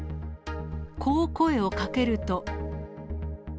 こう声をかけると。